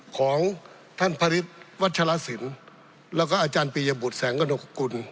ของท่านผลิตวัชรสินแล้วก็อาจารย์ปียบุษแสงกระโนสคลุณ